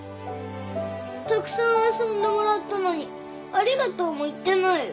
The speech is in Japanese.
たくさん遊んでもらったのにありがとうも言ってないよ。